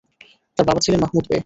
তাঁর বাবা ছিলেন মাহমুদ বে।